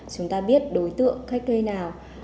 chúng ta biết đối tượng cách thuê nào